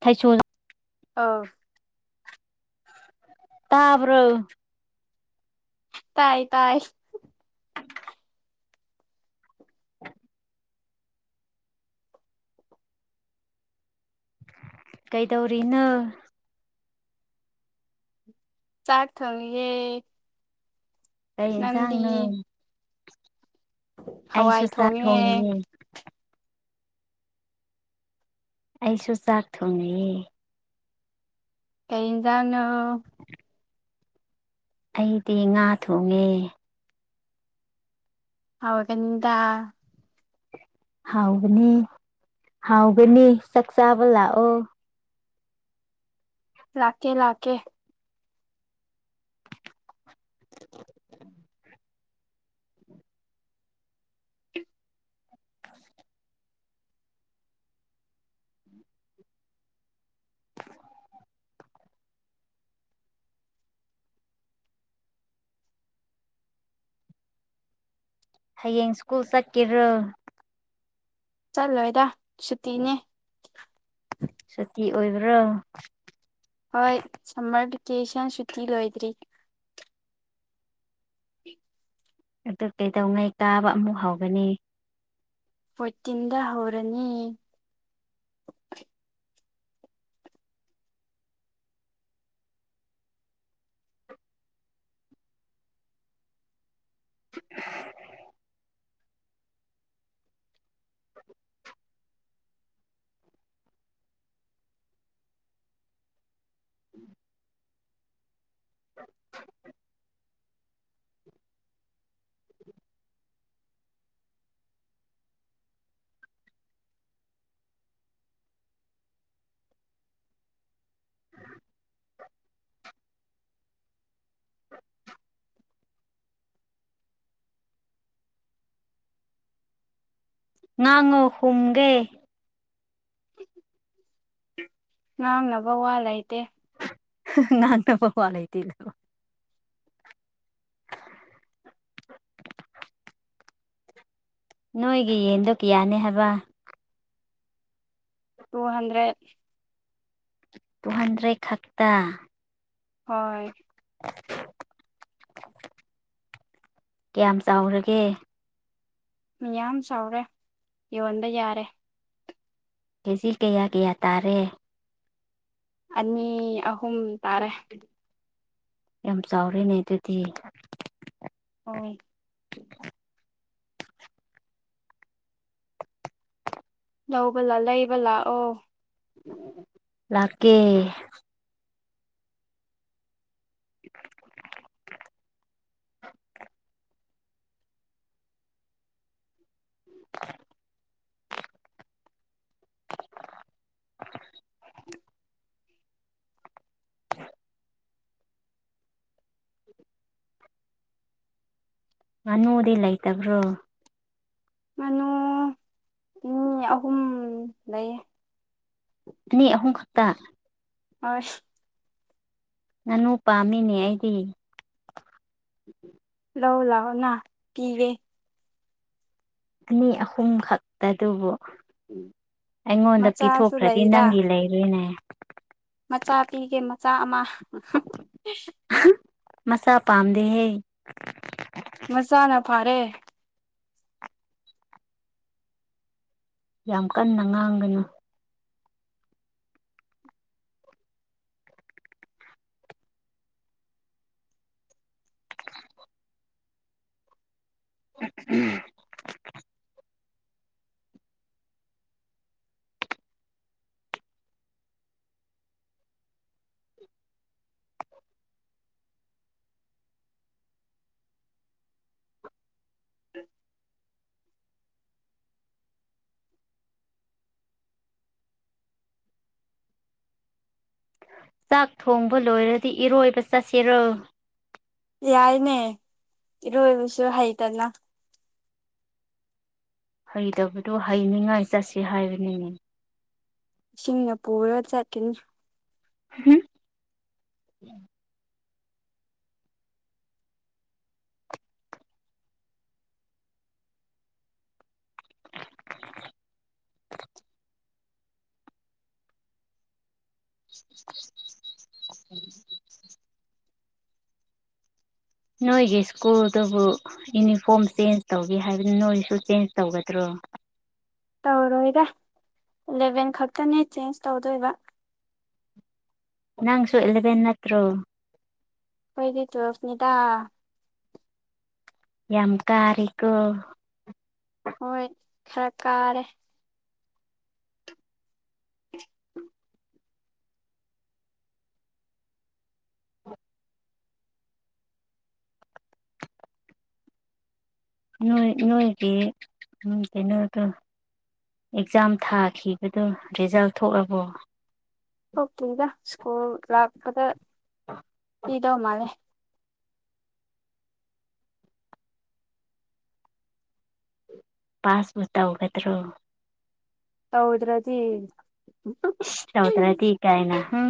ꯊꯩꯁꯣꯜ ꯑꯥ ꯇꯥꯕ꯭ꯔꯣ ꯇꯥꯏ ꯇꯥꯏ ꯀꯩꯗꯧꯔꯤꯅꯣ ꯆꯥꯛ ꯊꯣꯡꯉꯤꯌꯦ ꯀꯩ ꯏꯟꯁꯥꯡꯅꯣ ꯑꯩꯁꯨ ꯍꯋꯥꯏ ꯆꯥꯛ ꯊꯣꯡꯉꯦ ꯊꯣꯡꯂꯤꯌꯦ ꯑꯩꯁꯨ ꯆꯥꯛ ꯊꯣꯡꯉꯤꯌꯦ ꯀꯩ ꯏꯟꯖꯥꯡꯅꯣ ꯑꯩꯗꯤ ꯉꯥ ꯊꯣꯡꯉꯦ ꯍꯥꯎꯒꯅꯤꯗ ꯍꯥꯎꯒꯅꯤ ꯍꯥꯎꯒꯅꯤ ꯆꯥꯛ ꯆꯥꯕ ꯂꯥꯛꯑꯣ ꯂꯥꯛꯀꯦ ꯂꯥꯛꯀꯦ [unintelligible] ꯍꯌꯦꯡ ꯁ꯭ꯀꯨꯜ ꯆꯠꯀꯦꯔꯣ ꯆꯠꯂꯣꯏꯗ ꯁꯨꯇꯤꯅꯦ ꯁꯨꯇꯤ ꯑꯣꯏꯕ꯭ꯔꯣ ꯍꯣꯏ ꯁꯝꯃꯔ ꯚꯦꯀꯦꯁꯟ ꯁꯨꯇꯤ ꯂꯣꯏꯗ꯭ꯔꯤ ꯄꯤꯛ ꯑꯗꯨ ꯀꯩꯗꯧꯉꯩ ꯀꯥꯕ ꯑꯃꯨꯛ ꯍꯧꯒꯅꯤ ꯄꯣꯏꯇꯤꯟꯗ ꯍꯧꯔꯅꯤ [inaudible] [inaudible] [inaudible] ꯉꯥꯡꯉꯨ ꯈꯨꯝꯒꯦ ꯉꯥꯡꯅꯕ ꯋꯥ ꯂꯩꯇꯦ ꯉꯥꯟ ꯇ ꯐ ꯋꯥ ꯂꯩꯇꯦ ꯅꯀꯣ ꯅꯣꯏꯒꯤ ꯌꯦꯟꯗꯣ ꯀꯌꯥꯅꯤ ꯍꯥꯏꯕ ꯇꯨ ꯍꯟꯗ꯭ꯔꯦꯠ ꯇꯨꯍꯟꯗ꯭ꯔꯦ ꯈꯛꯇ ꯍꯣꯏ ꯀꯌꯥꯝ ꯆꯥꯎꯔꯒꯦ ꯃꯌꯥꯝ ꯆꯥꯎꯔꯦ ꯌꯣꯟꯕ ꯌꯥꯔꯦ ꯀꯦꯖꯤ ꯀꯌꯥ ꯀꯌꯥ ꯇꯥꯔꯦ ꯑꯅꯤ ꯑꯍꯨꯝ ꯇꯥꯔꯦ ꯌꯥꯝ ꯆꯥꯎꯔꯦꯅꯦ ꯑꯗꯨꯗꯤ ꯑꯥꯎ ꯂꯧꯕꯂꯥ ꯂꯩꯕ ꯂꯥꯛꯑꯣ ꯂꯥꯛꯀꯦ [inaudible] [inaudible] ꯑꯣ [inaudible] ꯉꯥꯅꯨꯗꯤ ꯂꯩꯇꯕ꯭ꯔꯣ ꯉꯅꯨ ꯑꯅꯤ ꯑꯍꯨꯝ ꯂꯩ ꯑꯅꯤ ꯑꯍꯨꯝ ꯈꯛꯇ ꯑꯁ ꯉꯥꯅꯨ ꯄꯥꯝꯃꯤꯅꯦ ꯑꯩꯗꯤ ꯂꯥꯎ ꯂꯥꯛꯑꯣꯅ ꯄꯤꯒꯦ ꯑꯅꯤ ꯑꯍꯨꯝ ꯈꯛꯇꯗꯨꯕꯨ ꯑꯩꯉꯣꯟꯗ ꯃꯆꯥꯁꯨ ꯄꯤꯊꯣꯛꯈ꯭ꯔꯗꯤ ꯂꯩꯗ ꯅꯪꯒꯤ ꯂꯩꯔꯣꯢꯅꯦ ꯃꯆꯥ ꯄꯤꯒꯦ ꯃꯆꯥ ꯑꯃ ꯃꯆꯥ ꯄꯥꯝꯗꯦꯍꯦ ꯃꯆꯥꯥꯅ ꯐꯥꯔꯦ ꯌꯥꯝ ꯀꯟꯅ ꯉꯥꯡꯒꯅꯨ ꯎꯝ [unintelligible] ꯆꯥꯛ ꯊꯣꯡꯕ ꯂꯣꯏꯔꯗꯤ ꯏꯔꯣꯏꯕ ꯆꯠꯁꯤꯔꯣ ꯌꯥꯏꯅꯦ ꯏꯔꯣꯏꯕꯁꯨ ꯍꯩꯇꯅ ꯍꯩꯇꯕꯗꯣ ꯍꯩꯅꯤꯡꯉꯥꯏ ꯆꯠꯁꯤ ꯍꯥꯏꯕꯅꯤꯅꯦ ꯏꯁꯤꯡꯅ ꯄꯨꯔ ꯆꯠꯈꯤꯅꯤ ꯍꯨꯝ [inaudible] ꯅꯣꯏꯒꯤ ꯁ꯭ꯀꯨꯜ ꯗꯨꯕꯨ ꯌꯨꯅꯤꯐꯣꯔꯝ ꯆꯦꯟꯖ ꯇꯧꯒꯦ ꯍꯥꯏꯕꯅꯤ ꯅꯣꯏꯁꯨ ꯆꯦꯟꯖ ꯇꯧꯒꯗ꯭ꯔꯣ ꯇꯧꯔꯣꯏꯗ ꯢꯂꯤꯕꯦꯟ ꯈꯛꯇꯅꯤ ꯆꯦꯟꯖ ꯇꯧꯗꯣꯏꯕ ꯅꯪꯁꯨ ꯢꯂꯤꯕꯦꯟ ꯅꯠꯇꯔꯣ ꯑꯩꯗꯤ ꯇꯌꯨꯂꯦꯞ ꯅꯤ ꯗꯥ ꯌꯥꯝ ꯀꯥꯔꯦꯀꯣ ꯍꯣꯏ ꯈꯔ ꯀꯥꯔꯦ [inaudible] ꯅꯣꯏ ꯅꯣꯏꯒꯤ ꯀꯩꯅꯣꯗꯨ ꯑꯦꯛꯖꯥꯝ ꯊꯥꯈꯤꯕꯗꯨ ꯔꯤꯖꯜ ꯊꯣꯛꯑꯕꯣ ꯊꯣꯛꯇ꯭ꯔꯤꯗ ꯁ꯭ꯀꯨꯜ ꯂꯥꯛꯄꯗ [inaudible] ꯒꯤꯗꯧ ꯃꯥꯂꯦ ꯄꯥꯁꯄꯨ ꯇꯧꯒꯗ꯭ꯔꯣ ꯇꯧꯗ꯭ꯔꯗꯤ ꯏꯁ ꯇꯧꯗ꯭ꯔꯗꯤ ꯀꯥꯏꯅ ꯍꯨꯝ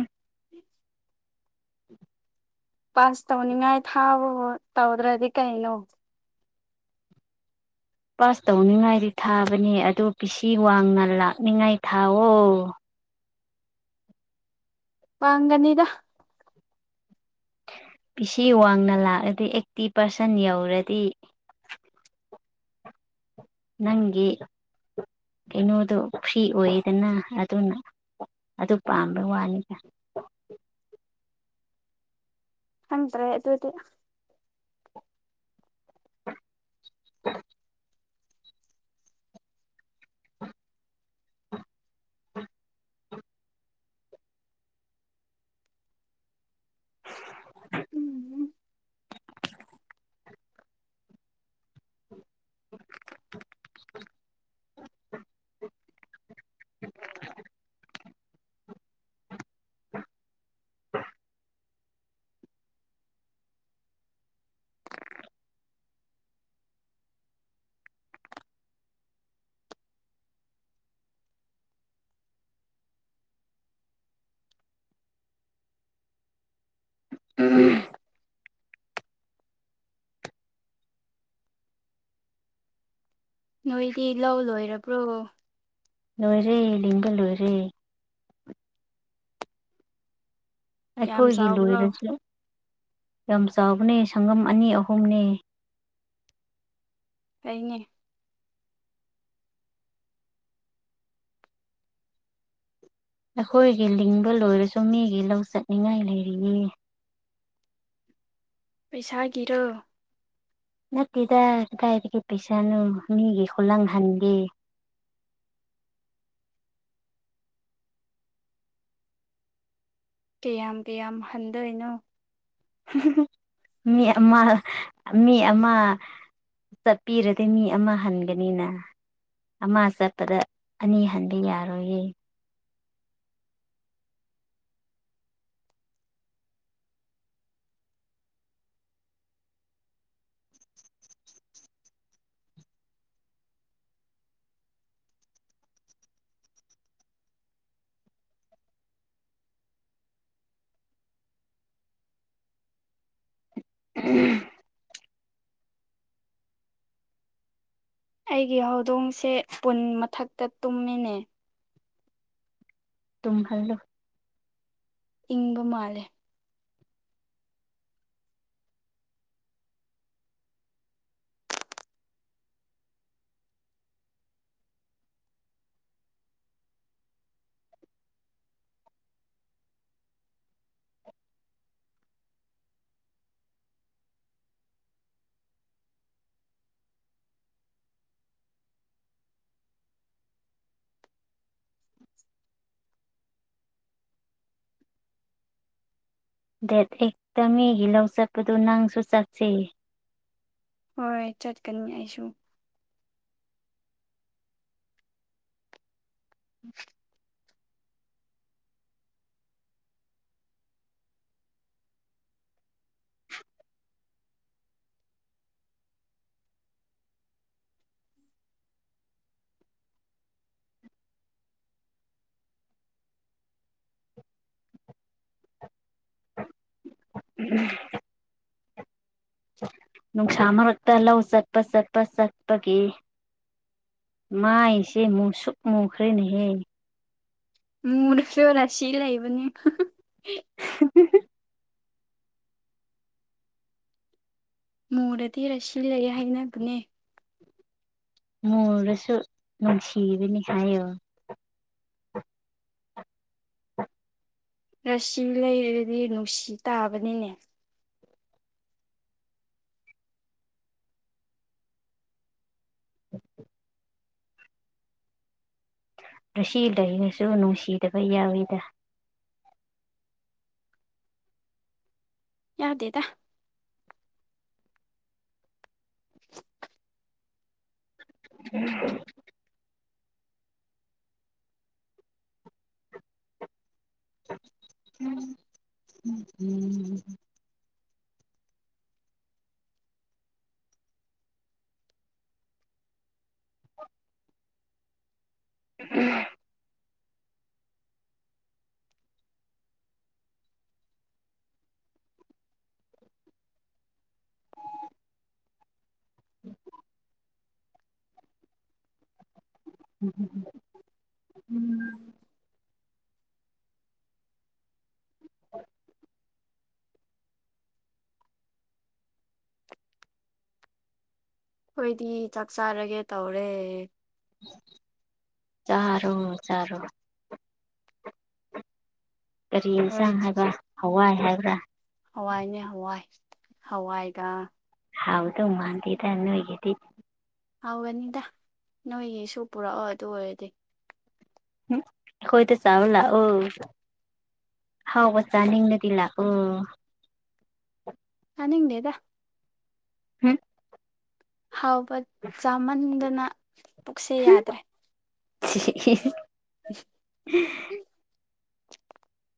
ꯄꯥꯁ ꯇꯧꯅꯤꯡꯉꯥꯏ ꯊꯥꯎꯑꯣ ꯇꯧꯗ꯭ꯔꯗꯤ ꯀꯩꯅꯣ ꯄꯥꯁ ꯇꯧꯅꯤꯡꯉꯥꯏꯗꯤ ꯊꯥꯕꯅꯦ ꯑꯗꯣ ꯄꯤꯁꯤ ꯋꯥꯡꯅ ꯂꯥꯛꯅꯤꯡꯉꯥꯏ ꯊꯥꯎꯑꯣ ꯄꯥꯡꯒꯅꯤꯗ ꯄꯤꯁꯤ ꯋꯥꯡꯅ ꯂꯥꯛꯑꯗꯤ ꯑꯦꯠꯇꯤ ꯄꯥꯔꯁꯟ ꯌꯧꯔꯗꯤ ꯅꯪꯒꯤ ꯀꯩꯅꯣꯗꯨ ꯐ꯭ꯔꯤ ꯑꯣꯏꯑꯦꯗꯅ ꯑꯗꯨꯅ ꯑꯗꯨ ꯄꯥꯝꯕꯩ ꯋꯥꯅꯤꯗ ꯈꯪꯇ꯭ꯔꯦ ꯑꯗꯨꯗꯤ [inaudible] [inaudible] ꯎꯝ [inaudible] ꯎꯝ ꯅꯣꯏꯗꯤ ꯂꯧ ꯂꯣꯏꯔꯕ꯭ꯔꯣ ꯂꯣꯏꯔꯦ ꯂꯤꯡꯕ ꯂꯣꯏꯔꯦ ꯌꯥꯝ ꯑꯩꯈꯣꯏꯒꯤ ꯆꯥꯎꯕ꯭ꯔꯣ ꯂꯣꯏꯔꯁꯨ ꯌꯥꯝ ꯆꯥꯎꯕꯅꯦ ꯁꯪꯉꯝ ꯑꯅꯤ ꯑꯍꯨꯝꯅꯦ ꯑꯩꯅꯤ ꯑꯩꯈꯣꯏꯒꯤ ꯂꯤꯡꯕ ꯂꯣꯏꯔꯁꯨ ꯃꯤꯒꯤ ꯂꯧ ꯆꯠꯅꯤꯉꯥꯏ ꯂꯩꯔꯤꯌꯦ ꯄꯩꯁꯥꯒꯤꯔꯣ ꯅꯠꯇꯦꯗ ꯀꯥꯏꯗꯒꯤ ꯄꯩꯁꯥꯅꯣ ꯃꯤꯒꯤ ꯈꯨꯂꯪ ꯍꯟꯒꯦ ꯀꯌꯥꯝ ꯀꯌꯥꯝ ꯍꯟꯗꯣꯏꯅꯣ ꯃꯤ ꯑꯃ ꯃꯤ ꯑꯃ ꯆꯠꯄꯤꯔꯗꯤ ꯃꯤ ꯑꯃ ꯍꯟꯒꯅꯤꯅ ꯑꯃ ꯆꯠꯄꯗ ꯑꯅꯤ ꯍꯟꯕ ꯌꯥꯔꯣꯏꯌꯦ ꯎꯝ ꯑꯩꯒꯤ ꯍꯧꯗꯣꯡꯁꯦ ꯏꯁꯄꯨꯟ ꯃꯊꯛꯇ ꯇꯨꯝꯃꯤꯅꯦ ꯇꯨꯝꯍꯜꯂꯨ ꯏꯪꯕ ꯃꯥꯜꯂꯦ ꯗꯦꯠ ꯑꯦꯛꯇ ꯃꯤꯒꯤ ꯂꯧ ꯆꯠꯄꯗꯨ ꯅꯪꯁꯨ ꯆꯠꯁꯦ ꯍꯣꯏ ꯆꯠꯀꯅꯤ ꯑꯩꯁꯨ [inaudible] ꯅꯨꯡꯁꯥ ꯃꯔꯛꯇ ꯂꯧ ꯆꯠꯄ ꯆꯠꯄ ꯆꯠꯄꯒꯤ ꯃꯥꯏꯁꯦ ꯃꯨꯛꯁꯨꯛ ꯃꯨꯈ꯭ꯔꯦꯅꯦꯍꯦ ꯃꯨꯔꯁꯨ ꯔꯥꯁꯤ ꯂꯩꯕꯅꯤ [inaudible] ꯃꯨꯔꯥꯗꯤ ꯔꯥꯁꯤ ꯂꯩ ꯍꯥꯏꯅꯕꯅꯦ ꯃꯨꯔꯁꯨ ꯅꯨꯡꯁꯤꯕꯅꯤ ꯍꯥꯏꯌꯣ ꯔꯁꯤ ꯂꯩꯔꯗꯤ ꯅꯨꯡꯁꯤ ꯇꯥꯕꯅꯤꯅꯦ ꯔꯥꯁꯤ ꯂꯩꯔꯁꯨ ꯅꯨꯡꯁꯤꯗꯕ ꯌꯥꯎꯏꯗ ꯌꯥꯗꯦꯗ [inaudible] [inaudible] ꯎꯝ ꯎꯝ [inaudible] ꯎꯝ ꯑꯩꯈꯣꯏꯗꯤ ꯆꯥꯛ ꯆꯥꯔꯒꯦ ꯇꯧꯔꯦ ꯆꯥꯔꫭ ꯆꯥꯔꫭ ꯀꯔꯤ ꯅꯣꯏ ꯌꯦꯟꯁꯥꯡ ꯍꯥꯏꯕ ꯍꯋꯥꯏ ꯍꯥꯏꯕ꯭ꯔꯥ ꯍꯋꯥꯏꯅꯦ ꯍꯋꯥꯏ ꯍꯋꯥꯏꯒ ꯍꯥꯎꯗꯧ ꯃꯥꯟꯗꯦꯗ ꯅꫭꯏꯒꯤꯗꯤ ꯍꯥꯎꯒꯅꯤꯗ ꯅꯣꯏꯒꯤꯁꯨ ꯄꯨꯔꯛꯑꯣ ꯑꯗꯨ ꯑꯣꯏꯔꯗꯤ ꯎꯝ ꯑꯈꫭꯏꯗ ꯆꯥꯎꯔꯨ ꯂꯥꯛꯑꫭ ꯍꯥꯎꯕ ꯆꯥꯅꯤꯡꯂꯥꯗꯤ ꯂꯥꯛꯑꫭ ꯆꯥꯅꯤꯡꯗꯦꯗ ꯍꯝ ꯍꯥꯎꯕ ꯆꯥꯃꯟꯗꯅ ꯄꯨꯛꯁꯦ ꯍꯨꯝ ꯌꯥꯗ꯭ꯔꯦ [inaudible] [inaudible]